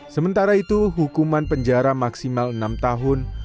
sementara itu hukuman penjara maksimal enam tahun